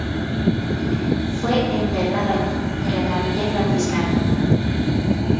Fue enterrado allí, en la capilla franciscana.